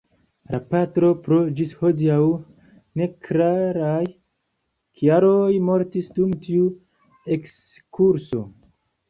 La patro pro ĝis hodiaŭ neklaraj kialoj mortis dum tiu ekskurso.